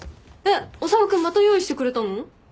修君また用意してくれたの？